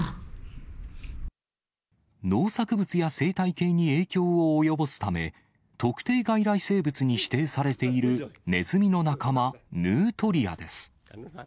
農作物や生態系に影響を及ぼすため、特定外来生物に指定されているネズミの仲間、ヌートリアです。